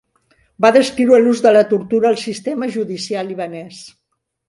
Va descriure l"ús de la tortura al sistema judicial libanès.